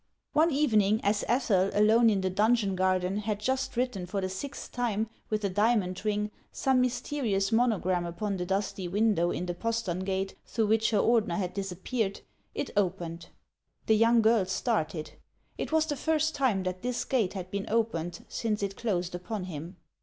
One evening, as Ethel, alone in the donjon garden, had just written, for the sixth time, with a diamond ring, some mysterious monogram upon the dusty window in the pos tern gate through which her Ordener had disappeared, it opened. The young girl started. It was the first time that this gate had been opened since it closed upon him.